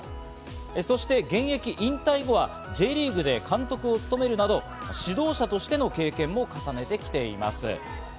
そして現役引退後はＪリーグで監督を務めるなど、指導者としての経験も重ねてきています。